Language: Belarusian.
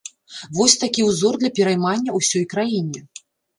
Вось такі ўзор для пераймання ўсёй краіне.